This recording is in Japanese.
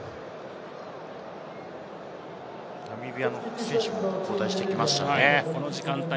ナミビアの選手も交代してきましたね。